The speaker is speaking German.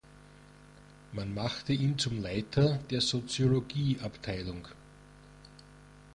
Man machte ihn zum Leiter der Soziologie-Abteilung.